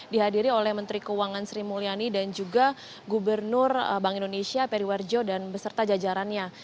dihadiri oleh menteri keuangan sri mulyani dan juga gubernur bank indonesia periwarjo dan beserta jajarannya